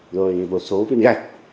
rồi một số viên gạch